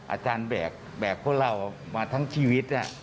อาจารย์แบกพวกเรามาทั้งชีวิต